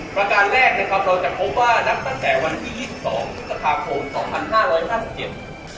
ประการแรกเราจะพบว่านักตั้งแต่วันที่๒๒พฤษภาคม๒๕๕๗